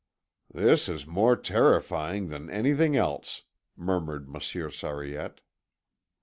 "This is more terrifying than anything else," murmured Monsieur Sariette.